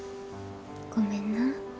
ごめんな。